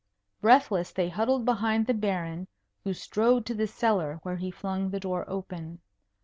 Breathless they huddled behind the Baron, who strode to the cellar, where he flung the door open.